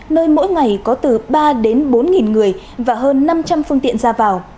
nơi mỗi ngày có từ ba đến bốn người và hơn năm trăm linh phương tiện ra vào